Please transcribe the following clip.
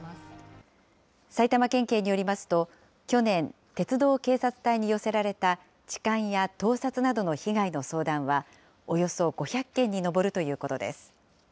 埼玉県警によりますと、去年、鉄道警察隊に寄せられた痴漢や盗撮などの被害の相談は、およそ５００件に上るということです。